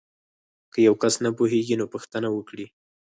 که یو کس نه پوهیږي نو پوښتنه وکړئ.